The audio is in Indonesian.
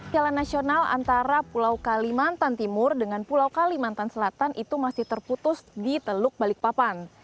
jalan nasional antara pulau kalimantan timur dengan pulau kalimantan selatan itu masih terputus di teluk balikpapan